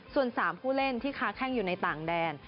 ส่วน๓ผู้เล่นที่ค้าแข้งอยู่ในต่างแดน